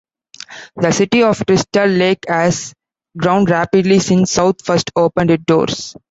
The city of Crystal Lake has grown rapidly since South first opened it doors.